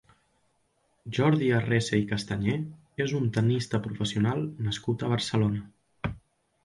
Jordi Arrese i Castañé és un tennista professional nascut a Barcelona.